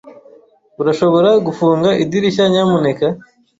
Urashobora gufunga idirishya, nyamuneka?